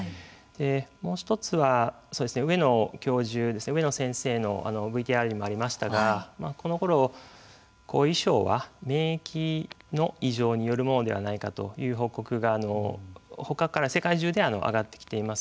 もう一つは上野先生のＶＴＲにもありましたがこのころ、後遺症は免疫の異常によるものではないかという報告がほかから、世界中で上がってきています。